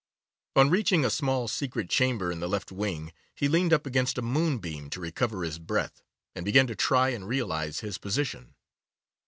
On reaching a small secret chamber in the left wing, he leaned up against a moonbeam to recover his breath, and began to try and realise his position.